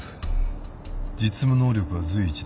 実務能力は随一です。